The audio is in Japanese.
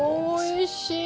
おいしい！